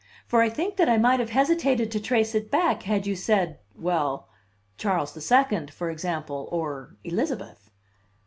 For I think that I might have hesitated to trace it back had you said well Charles the Second, for example, or Elizabeth."